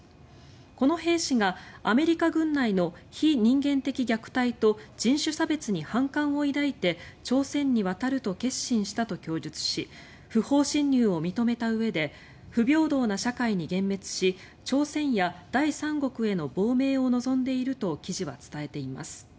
この兵士がアメリカ軍内の非人間的虐待と人種差別に反感を抱いて朝鮮に渡ると決心したと供述し不法侵入を認めたうえで不平等な社会に幻滅し朝鮮や第三国への亡命を望んでいると記事は伝えています。